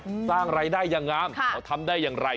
สร้างรายได้อย่างงามเขาทำได้อย่างไร